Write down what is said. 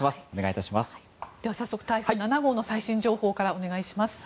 では、早速、台風７号の最新情報からお願いします。